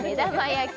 焼き